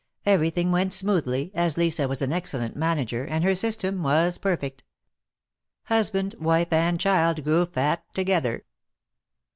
Everything went smoothly, as Lisa was an excellent manager, and her sys tem was perfect. Husband, wife and child grew fat together.